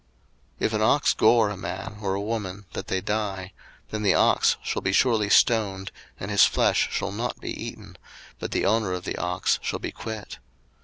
02:021:028 If an ox gore a man or a woman, that they die: then the ox shall be surely stoned, and his flesh shall not be eaten; but the owner of the ox shall be quit.